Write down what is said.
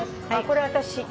これは私。